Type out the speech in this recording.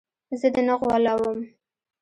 زه دې نه غولوم.